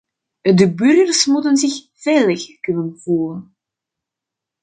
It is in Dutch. De burgers moeten zich veilig kunnen voelen.